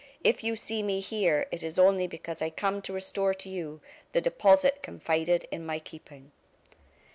If you see me here, it is only because I come to restore to you the deposit confided to my keeping."